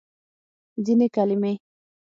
ځینې کلمې